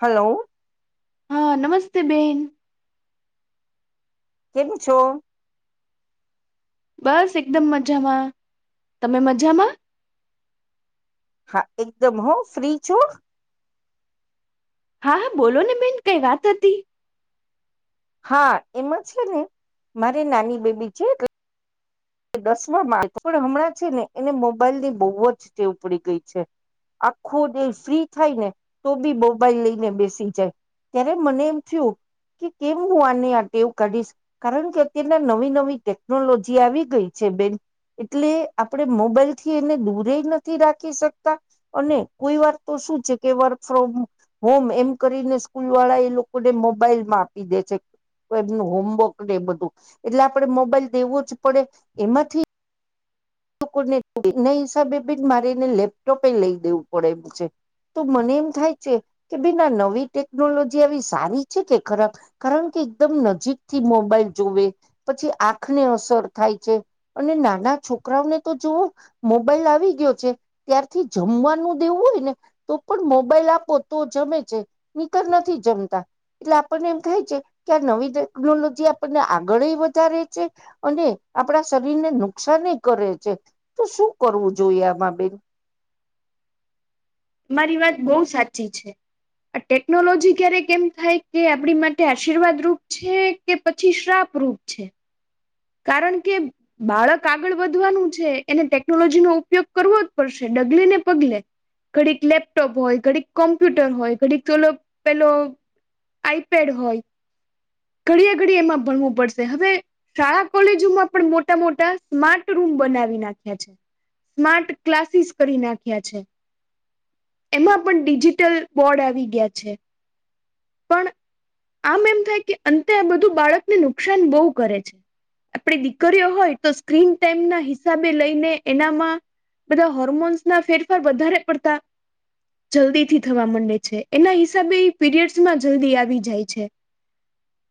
Hello. હા, નમસ્તે બેન કેમ, છુ. બસ એકદમ, મજામા તમે મજામા હા, એકદમ હો ફ્રી છુ. હા, હા બોલો ને બેન કઈ, વાત હતી. હા, એમાં છેને, મારે નાની બેબી છે. દસમા માર્ગ પણ હમણાં છેને, એને મોબાઈલ ની બહુ જ ટેવ પડી ગઈ છે. આખો દિલ ફ્રી થાય, ને તો બી મોબાઈલ લઈને બેસી જાય ત્યારે મને એમ થયું. કે કેમ હું, આને આ ટેવ કાઢીશ કારણ કે અત્યારના નવી, નવી ટેકનોલોજી આવી ગઈ છે, બેન એટલે આપણે મોબાઈલ થી, એને દૂરે નથી રાખી શકતા અને કોઈ વાર તો શું છે, કે વર્ક ફ્રોમ હોમ, એમ કરીને સ્કૂલ વાળા એ લોકોને મોબાઈલમાં આપી દે છે. એમનું હોમવર્ક ને એ બધું એટલે આપણે મોબાઈલ દેવું જ પડે એમાંથી ને એના હિસાબે બીન, મારે એને લેપટોપે લઈ દેવું, પડે એમ છે. તો મને એમ થાય છે, કે બેન નવી ટેકનોલોજી આવી સારી છે, કે ખરા કારણ કે એકદમ નજીક થી મોબાઈલ જોવે પછી આંખને અસર થાય છે, અને નાના છોક રાને, તો જોવ મોબાઈલ આવી ગયો છે, ત્યારથી જમવાનું દેવું હોય, ને તો પણ મોબાઈલ આપો, તો જમે છે, નીકર નથી જમતા એટલે આપણને એમ કાય છે, કે આ નવી ટેકનોલોજી, આપણને આગળ વધારે છે, અને- આપણા શરીર ને નુકસાન કરે છે, તો શું કરવું જોઈએ આમાં બેન મારી વાત બહુ સાચી છે. આ ટેકનોલોજી ક્યારેક એમ થાય, કે આપણી માટે આશીર્વાદ રૂપ છે, કે પછી શ્રાપ રૂપ છે. કારણ કે બાળક આગળ વધવાનું છે, એને ટેકનોલોજી નો ઉપયોગ કરવો જ પડશે ડગલે ને પગલે ઘડીક લેપટોપ હોય, ઘડીક કોમ્પ્યુટર હોય ઘડીક ચલો પેલો. આઈપેડ હોય ઘડીયે ઘડીયે એમાં ભણવું પડશે હવે શાળા કોલેજોમાં પણ મોટા મોટા સ્માર્ટ રૂમ બનાવી નાખ્યા છે સ્માર્ટ ક્લાસીસ કરી નાખ્યા છે એમાં પણ ડિજિટલ બોર્ડ આવી ગયા છે પણ આમ એમ થાય કે અંતે આ બધું બાળકને નુકસાન બહુ કરે છે આપણી દીકરીઓ હોય તો સ્ક્રીન ટાઈમ ના હિસાબે લઈને એનામાં બધા હોર્મોન્સ ના ફેરફાર વધારે પડતા જલ્દીથી થવા માંડે છે એના હિસાબે પીરિયડ્સમાં જલ્દી આવી જાય છે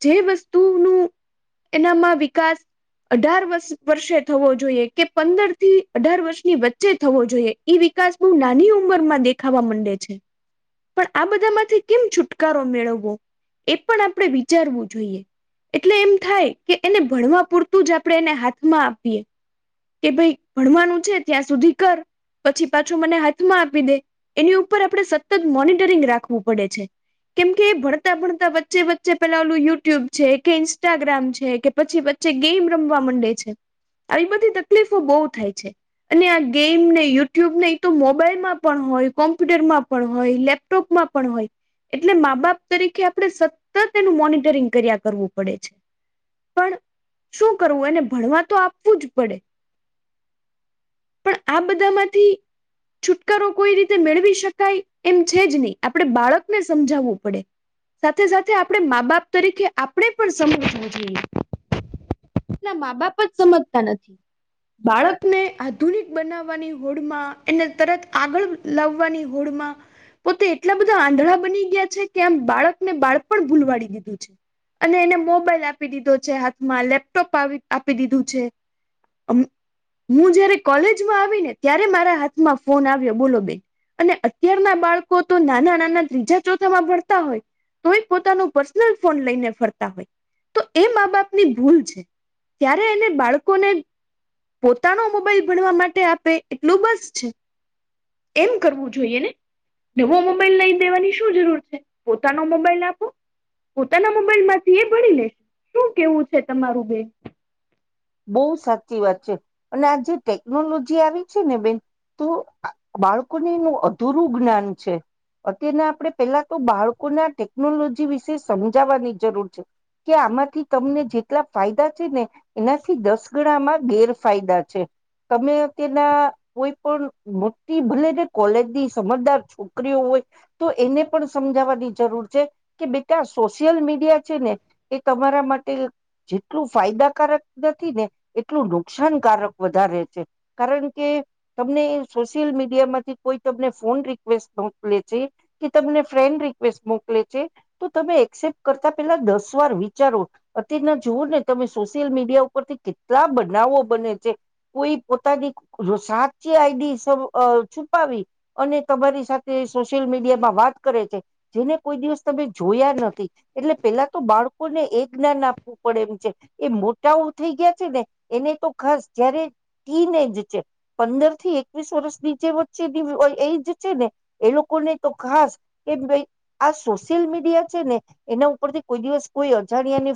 જે વસ્તુ નું એનામાં વિકાસ અઢાર વષ વર્ષે થવો જોઈએ કે પંદર થી અઢાર વર્ષની વચ્ચે થવો જોઈએ અવી કદાજ બહુ નાની ઉમર માં દેખાવા માંડે છે પણ આ બધા માંથી કેમ છૂટ કારો મેળવવો એ પણ આપણે વિચારવું જોઈએ એટલે એમ થાય કે એને ભણવા પૂરતું જ આપણે એને હાથમાં આપીએ કે ભાઈ ભણવાનું છે ત્યાં સુધી કર પછી પાછું મને હાથમાં આપી દે એની ઉપર આપણે સતત મોનિટરિંગ રાખવું પડે છે કેમકે ભણતા ભણતા વચ્ચે વચ્ચે પેલા ઓલું યુટ્યુબ છે કે ઇન્સ્ટાગ્રામ છે કે પછી વચ્ચે ગેમ રમવા માંડે છે આવી બધી તકલીફો બહુ થાય છે અને આ ગેમ નને યુટ્યુબ નહી તો મોબાઈલમાં પણ હોય કોમ્પ્યુટરમાં પણ હોય લેપટોપ પણ હોય એટલે મા બાપ તરીકે આપણે સતત એનું મોનિટરિંગ કર્યા કરવું પડે છે પણ શું કરવું એને ભણવા તો આપવું જ પડે પણ આ બધામાંથી છુટકારો કોઈ રીતે મેળવી શકાય એમ છે જ નહી આપડે બાળક ને સમજાવવું પડે સાથે સાથે આપણે મા બાપ તરીકે આપણે પણ સમજવું જોઈએ ના મા બાપ જ સમજતા નથી બાળકને આધુનિક બનાવવાની હોડ માં એને તરત આગળ લાવવાની હોડ મા પોતે એટલા બધા આંધળા બની ગયા છે કે આમ બાળકને બાળ પણણ ભૂલવાડી દીધું છે અને એને મોબાઈલ આપી દીધો છે હાથમાં લેપટોપ આવી આપી દીધું છે હું જયારે કોલેજમાં આવી ને ત્યારે મારા હાથમાં ફોન આવ્યો બોલો બેન અને અત્યારના બાળકો તો નાના નાના ત્રીજા ચોથામાં ફરતા હોય તો પોતાનું પર્સનલ ફોન લઈને ફરતા હોય તો એ મા બાપની ભૂલ છે ત્યારે એને બાળકોને પોતાનો મોબાઈલ ભણવા માટે આપે એટલું બસ છે એમ કરવું જોઈએ ને એવો મોબાઈલ લઈ દેવાની શું જરૂર છે પોતાનો મોબાઈલ આપો પોતાના મોબાઈલ માંથી એ ભણી લે શું કેવું છે તમારું બેન બહુ સાચી વાત છે અને આ જેે ટેકનોલોજી આવી છે ને બેન તો આ બાળકોને નુ અધૂરું જ્ઞાન છે અત્યારના આપણે પેલા તો બાળકોના ટેકનોલોજી વિશે સમજાવવાની જરૂર છે કે આમાંથી તમને જેટલા ફાયદા છે ને એનાથી દસગડામાં ગેરફાયદા છે તમે તેના કોઈ પણ મોટી ભલે ને કોલેજની સમજદાર છોકરીઓ તો એને પણ સમજાવવાની જરૂર છે કે બેટા સોશિયલ મીડિયા છે ને એ તમારા માટે જેટલું ફાયદાકારક નથી ને એટલું નુકસાનકારક વધારે છે કારણ કે તમને સોશિયલ મીડિયા માંથી કોઈ તમને ફોન રિકવેસ્ટ મોકલે છે કે તમને ફ્રેન્ડ રિક્વેસ્ટ મોકલે છે તો તમે એક્સેપ્ટ કરતા પેલા દસ વાર વિચારો અતિના જુવઓ ને તમે સોશિયલ મીડિયા ઉપ ઉપરથી કેટલા બનાવો બને છે કોઈ પોતાની સાચી આઈડી છુપાવી, અને તમારી સાથે સોશિયલ મીડિયામાં વાત કરે છે, જેને કોઈ દિવસ તમે જોયા નથી, એટલે પેલા તો બાળકો ને એક જ્ઞાન આપવું પડે એમ છે એ મોટા થઈ ગયા છે, ને એને તો ખાસ જય્યારે ટીન એજ છે, પંદર થી એકવીસ વર્ષની જે વચ્ચે એ છે ને એ લોકોને તો ખાસ, કે આ સોશિયલ મ ને એના ઉપરથી કોઈ દિવસ કોઈ અજાણ્યા ની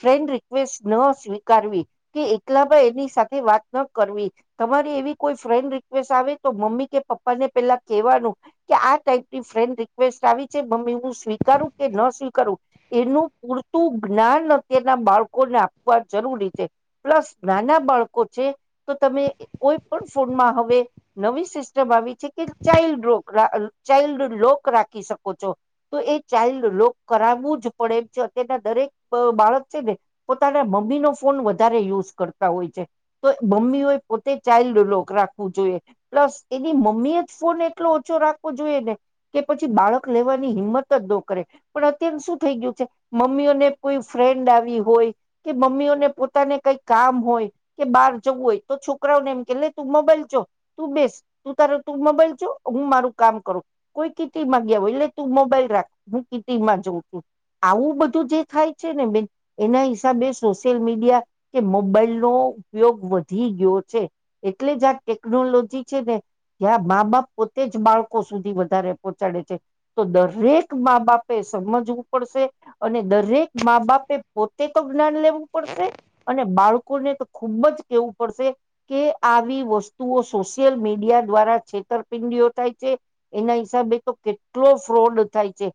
ફ્રૅન્ડ રિકવેસ્ટ નસવી કારવી કે એકલાબાઈ એની સાથે વાત ન કરવી તમારી, એવી કોઈ ફ્રેન્ડ રિક્વેસ્ટ આવે તો મમ્મી કે પપ્પાને પેહલા કવાનું કે, આ ટાઈપની ફ્રેન્ડ રિક્વેસ્ટ આવી છે મમ્મી હું સ્વીટ કારું કે ન સ્વીકારવું એનું પૂરતું જ્ઞાન અત્યારના બાળકોને આપવા જરૂરી છે, પ્લસ નાના બાળકો છે, તો તમે કોઈ પણ ફોડમાં હવે નવી સિસ્ટમ આવી છે, કે ચાઇલ્ડ ર ચાઇલ્ડ લોક રાખી શકો છો તો ચાઇલ્ડ લોગ કરાવવું જ પડે એમ છે અત્યારના દરેક બાળક છે, ને પોતાના મમ્મી મમ્મી નો ફોન વધારે યુઝ કરતા હોય છે, તો મમ્મી પોતે ચાઇલ્ડ લોક રાખવું જોઈએ પ્લસ એની મમ્મી જ ફોન એટલો ઓછો રાખવો જોઈએ ને કે પછી બાળક લેવાની હિંમત ળો કરે પણ અત્ય્યારે શું થઈ ગયું છે મમ્મીને કોઈ ફ્રેન્ડ આવી હોય કે મમ્મીઓને પોતાને કઈ કામ હોય, કે બહાર જવું, હોય તો છોકરાઓને એમ કે તું મોબાઈલ જો તું બેસ તું તાર તું મોબાઈલ છ, હું મારું કામ કરું કોઈ કીટ માંગ્યા એટલે તું બલખ હું કીમાં જોઉ છું આવું બધું જે થાય છે ને બેન એના બે સોશિયલ મીડિયા કે મોબાઈલ, નો ઉપયોગ વધી ગયો છે એટલે જ આ ટેકનોલોજી છે ને ત્યાં મા બાપ પોતે જ બાળકો સુધી વધારે પહોંચાડે છે, તો દરેક મા બાપે સમજવું પડશે અને, દરેક મા બાપે પોતે તો જ્ઞાન લેવું પડશે અને, બાળકોને તો ખુબ જ કેવું પડશે કે આવી વસ્તુઓ સોશિયલ મીડિયા દ્વારા છેતરપિંડીઓ થાય છે, એના હિસાબે તો કેટલો ફ્રોડ થાય છે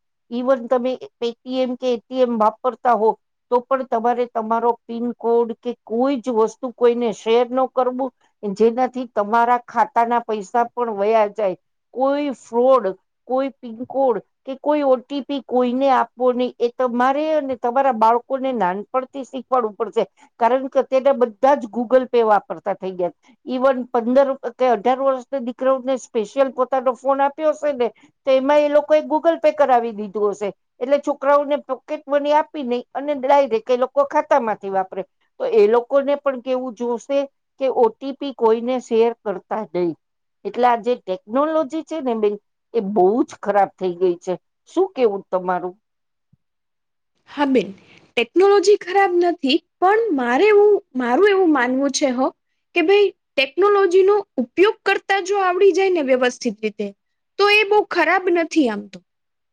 પણ તમે પેટીયમ કે એટિયમ વાપરતા હો તો પણ તમારે તમારો પિન કોડ કે કોઈ, જ વસ્તુ કોઈને શેર ન કરવું જે એનાથી, તમારા ખાતાના પૈસા પણ વયા જાય કોઈ ફ્રોડ કોઈ કોડ કે કોઈ ઓટીપી, કોઈને આપવો નહી એ તમારે અને તમારા બાળકો લોકોને નાનપણથી શીખવાડવું પડશે કારણ કે તના બધા જ ગૂગલ પે વાપરતા થઈ ગયા ઈવન પંદર કે અઢાર વર્ષના દીકરાઓને સ્પેશિયલ પોતાનો ફોન આપ્યો હશે ને તેમાં એ લોકોએ ગૂગલ પે કરાવી દીધું હશે, એટલે છોકરાઓને પોકેટ મની આપી નહી અને ડાયરેક્ટ, એ લોકો ખાતા માંથી વાપરે તો એ લોકોને પણ કેવું જોશે કે ઓટીપી કોઈને શેર કરતા જઈ એટલે આ જે ટેકનોલોજી છે, ને બહેન એ બહુ જ ખરાબ થઈ ગઈ છે શું કેવું તમારું બિન ટેકનોલોજી ખરાબ નથી, પણ મારે એવું મારું એવું માનવું છે હો કે ભાઈ, ટેકનોલોજી નો ઉપયોગ કરતા જો આવડી જાય ને વ્યવસ્થિત રીતે તો એ બહુ ખરાબ નથી, આમતો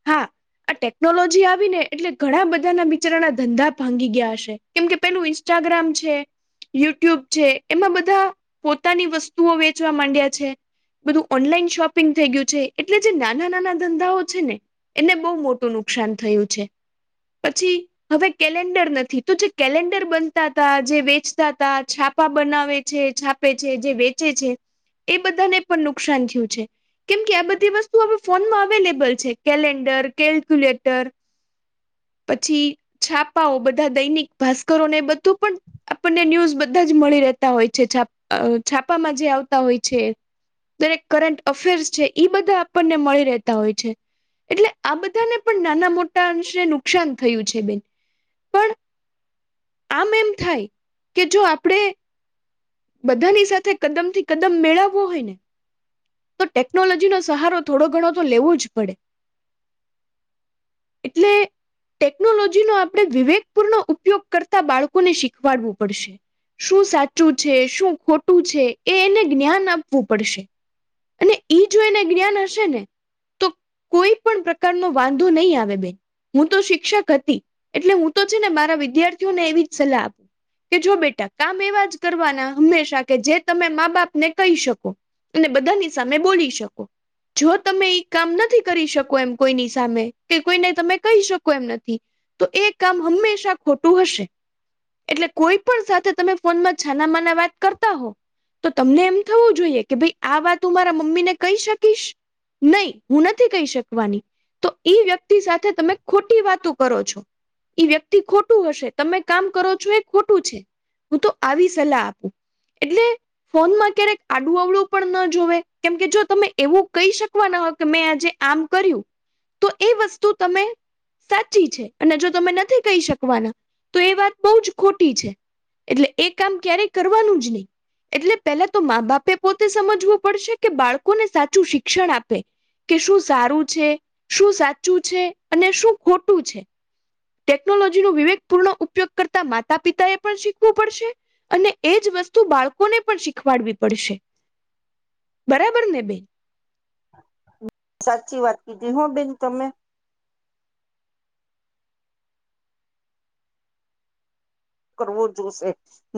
હા આ ટેકનોલોજી આવી ને એટલે ઘણા બધા ના વિિચારના ધંધા ભાંગી ગયા હશે કેમ કે પેલું ઇન્સ્ટાગ્રામ છે યુટ્યુબ છે, એમાં બધા પોતાની વસ્તુઓ વેચવા માંડ્યા છે. બધું ઓનલાઈન શોપિંગ થઈ ગયું છે, એટલે જે નાના નાના ધંધાઓ છે ને એને બહુ મોટું ન નુકસાન થયું છે [unintelligible] પછી હવે કેલેન્ડર નથી, તો જે કેલેન્ડર બનતા ત જે વેચતા હતા, છાપા બ બનાવે છે છાપે છે, જે વેચે છે, એ બધાને પણ નુકસાન થયું છે કેમ કે આ બધી વસ્તુ આપ ફોનમાં અવેલેબલ છે કેલેન્ડર કેલ્ક્યુલેટર [unintelligible] પછી છાપાઓ બધા દૈનિક ભાસ્કરોને બધું પણ આપણને ન્યૂઝ બધા જ મળી દેતા હોય છે, છા છાપામાં જે આવતા હોય છે દરે કરંટ અફેર્સ છે, બધા આપણને મળી રહેતા હોય છે. એટલે આ બધાને, પણ નાના મોટા અંશ નુકસાન થયું છે, બેન આમ એમ થાય, કે જો આપણેે બધાની સાથે, કદમ થી કદમ મેળવવો હોય, ને તો ટેકનોલોજીનો સહારો થોડો, ઘણો તો લેવો જ પડે [unintelligible] એટલે ટેકનોલોજીનોો આપણે વિવેકપૂર્ણ, ઉપયોગ કરતા બાળકોને શીખવાડવું પડશે શું સાચું છે, શું ખોટું છે, એ એને જ્ઞાન આપવું પડશે અને ઈ જો એને જ્ઞાન હશે, ને તો કોઈ પણ પ્રકારનો વાંધો નહીં, આવે બેન હું, તો શિક્ષક હતી એટલે હું, તો છેને મારા વિદ્યાર્થીઓને એવી જ સલાહ આપું કે જો બેટા કામ એવા જ કરવાના, હંમેશા કે જે તમે મા બાપને કહી શકો અને બધાની સામે બોલી, શકો જો તમે ઈ કામ નથી, કરી શકો એમ કોઈની સામે કે કોઈને, તમે કહી શકો એમ નથી. તો એ કામ હંમેશા, ખોટું હશે એટલે કોઈ પણ સાથે તમે ફોનમાં છાનામાંના વાત કરતા, હો. તો તમને એમ થવું જોઈએ, કે ભાઈ આ વાત હું, મારા મમ્મીને કહી શકીશ નહી, હું નથી કહી શકવાની તો ઈ વ્યક્તિ સાથે, તમે ખોટી વાતો કરો છો. એ વ્યક્તિ ખોટું હશે, તમે કામ કરો છો એ ખોટું છે, હું તો આવી સલાહ, આપું એટલે ફોનમાં ક્યારેક આડું અવડું પણના જોવે, કેમકે જો તમે એવું કહી, શકવાના હો, કે મેં આજે આમ કર્યું, તો એ વસ્તુ તમે સાચી છે, અને જો તમે નથી, કહી શકવાના તો એ વાત બહુજ ખોટી છે, એટલે એ કામ ક્યારેય કરવાનું જ નહી એટલે પેલા, તો મા બાપે પોતે સમજવું પડશે કે બાળકોને સાચું શિક્ષણ આપે કે શું સારું છે, શું સાચું છે, અને શું ખોટું છે. ટેકનોલોજી ન વિવેક પૂર્ણ ઉપયોગ, કરતા માતા પિતા એ પણ શીખવું, પડશે અને એજ વસ્તુ બાળકોને, પણ શીખવાડવી પડશે [unintelligible] બરાબર, ને બે સાચી વાત, કીધી હો બેન તમે કરવો જોશે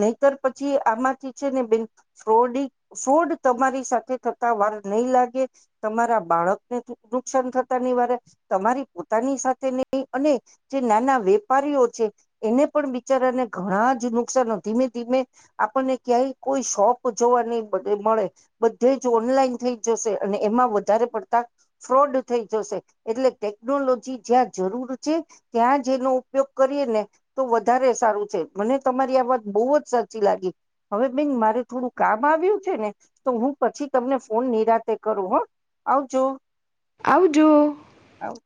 નહીતર, પછી આમાંથી છેને બેન ફ્રોડી ફ્રોડ તમારી સાથે થતા વાર નહી, લાગે તમારા બાળક ને નુકસાન થતા, નહી વાર તમારી પોતાની સાથે નહી, અને જે નાના વેપારીઓ છે, એને પણ બિચારાને ઘણા જ નુકસાન ધીમે, ધીમે આપણને ક્યાંય કોઈ શોપ જોવા નહી, મળે બધે જ ઓનલાઈન થઈ, જશે અને એમાં વધારે પડતા ફ્રોડ થઈ જશે એટલે ટેકનોલોજી જ્યાં જરૂર છે, ત્યાં જ એનો ઉપયોગ કરીએ ને તો વધારે સારું છે. મને તમારી આ વાત બહુજ સાચી લાગી, હવે બેન મારે થોડું કામ આવ્યું છેને, તો હું હું, પછી તમને ફોન નિરાતે કરું, હહ આવજો આવજો. આવજો